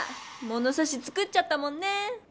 ものさし作っちゃったもんね！